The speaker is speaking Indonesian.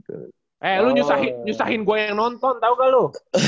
eh lu nyusahin gue yang nonton tau gak lo